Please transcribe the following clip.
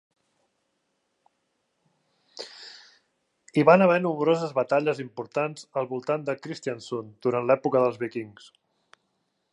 Hi van haver nombroses batalles importants al voltant de Kristiansund durant l'època dels vikings.